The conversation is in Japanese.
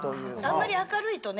あんまり明るいとね